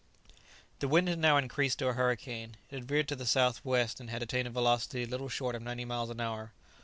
The wind had now increased to a hurricane; it had veered to the south west, and had attained a velocity little short of ninety miles an hour.